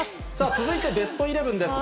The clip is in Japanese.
続いてベストイレブンです。